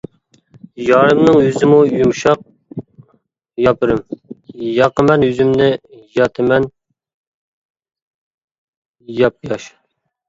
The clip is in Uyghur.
يارىمنىڭ يۈزىمۇ يۇمشاق ياپىرىم، ياقىمەن يۈزۈمنى ياتىمەن ياپياش.